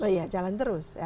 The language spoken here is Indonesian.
iya jalan terus